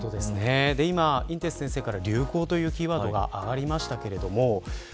今、先生から流行というキーワードが上がりました。